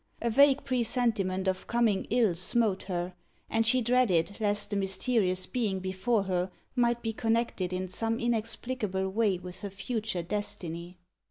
A vague presentiment of coming ill smote her, and she dreaded lest the mysterious being before her might be connected in some inexplicable way with her future destiny.